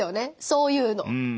そういうの。